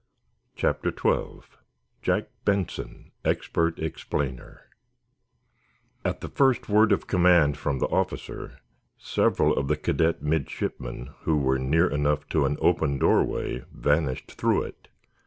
CHAPTER XII: JACK BENSON, EXPERT EXPLAINER At the first word of command from the officer several of the cadet midshipmen who were near enough to an open doorway vanished through it.